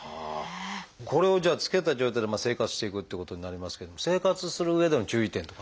これをじゃあつけた状態で生活していくってことになりますけども生活するうえでの注意点っていうのはありますか？